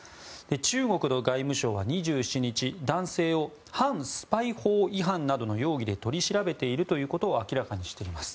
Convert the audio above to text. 中国の外務省は２７日男性を反スパイ法違反などの容疑で取り調べているということを明らかにしています。